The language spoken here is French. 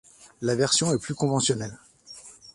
La version est plus conventionnelle.